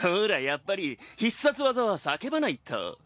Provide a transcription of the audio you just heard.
やっぱり必殺技は叫ばないと。